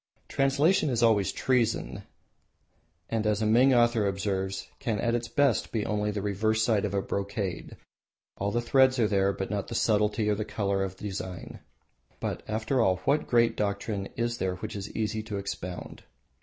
Translation is always a treason, and as a Ming author observes, can at its best be only the reverse side of a brocade, all the threads are there, but not the subtlety of colour or design. But, after all, what great doctrine is there which is easy to expound?